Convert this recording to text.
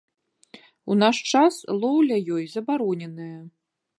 У наш час лоўля ёй забароненая.